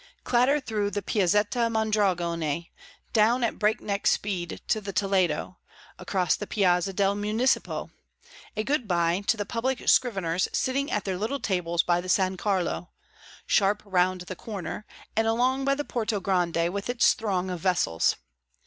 Clatter through the Piazzetta Mondragone; down at breakneck speed to the Toledo; across the Piazza del Municipio; a good bye to the public scriveners sitting at their little tables by the San Carlo; sharp round the corner, and along by the Porto Grande with its throng of vessels.